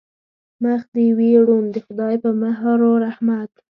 مخ دې وي روڼ د خدای په مهر و رحمت.